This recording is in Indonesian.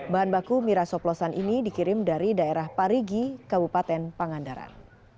bahan baku miras hoplosan ini dikirim dari daerah parigi kabupaten pangandaran